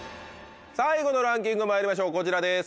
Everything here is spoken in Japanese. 最後のランキングまいりましょうこちらです。